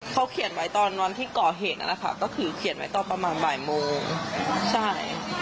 เขาเขียนไว้ตอนวันที่ก่อเหตุนั้นนะคะ